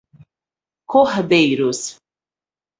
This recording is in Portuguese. Cordeiros